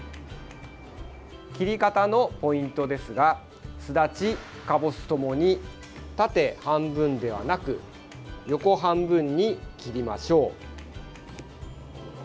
切り方のポイントですがすだち、かぼすともに縦半分ではなく横半分に切りましょう。